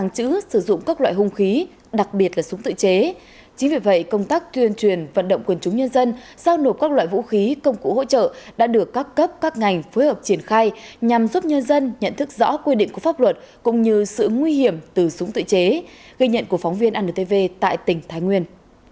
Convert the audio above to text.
chính vì vậy công tác tuyên truyền vận động quân chúng nhân dân giao nộp các loại vũ khí công cụ hỗ trợ đã được các cấp các ngành phối hợp triển khai nhằm giúp nhân dân nhận thức rõ quy định của pháp luật cũng như sự nguy hiểm từ súng tự chế ghi nhận của phóng viên antv tại tỉnh thái nguyên